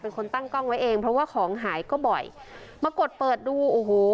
เป็นคนตั้งกล้องไว้เองเพราะว่าของหายก็บ่อยมากดเปิดดูโอ้โห